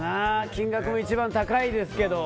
金額も一番高いですけど。